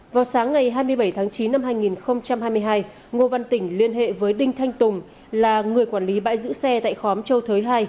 vào sáng ngày hai mươi bảy tháng chín năm hai nghìn hai mươi hai ngô văn tỉnh liên hệ với đinh thanh tùng là người quản lý bãi giữ xe tại khóm châu thới hai